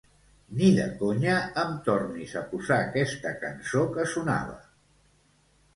Ni de conya em tornis a posar aquesta cançó que sonava.